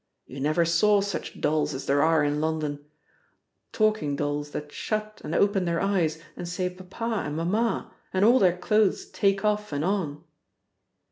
You never saw such dolls as there are in London talking dolls that shut and open their eyes and say Papa and Mamma, and all their clothes take off and on."